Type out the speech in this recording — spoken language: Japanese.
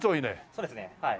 そうですねはい。